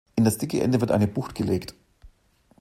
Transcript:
In das dicke Ende wird eine Bucht gelegt.